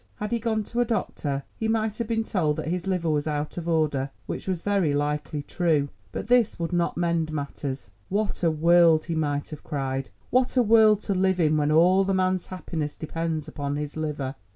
Had he gone to a doctor, he might have been told that his liver was out of order, which was very likely true. But this would not mend matters. "What a world," he might have cried, "what a world to live in when all the man's happiness depends upon his liver!"